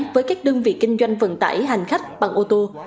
với các đơn vị kinh doanh vận tải hành khách bằng ô tô